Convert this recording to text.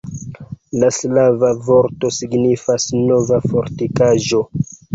La slava vorto signifas Nova fortikaĵo.